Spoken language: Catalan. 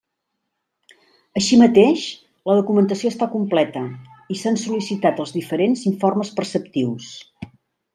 Així mateix, la documentació està completa i s'han sol·licitat els diferents informes preceptius.